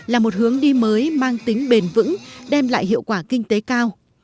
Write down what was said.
là một hướng đi mới mang tính bền vững đem lại hiệu quả kinh tế cao